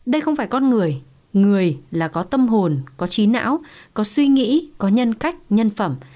đây không phải con người người là có tâm hồn có trí não có suy nghĩ có nhân cách nhân phẩm